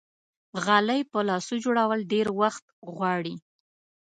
غلۍ په لاسو جوړول ډېر وخت غواړي.